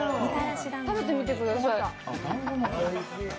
食べてみてください。